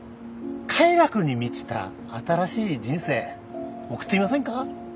快楽に満ちた新しい人生送ってみませんか？